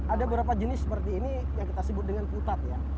ada beberapa jenis seperti ini yang kita sebut dengan putat ya